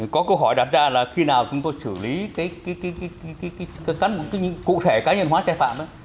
có câu hỏi đặt ra là khi nào chúng tôi xử lý cái cơ cánh cụ thể cá nhân hóa cháy phạm